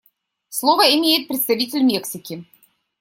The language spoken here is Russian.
Слово имеет представитель Мексики.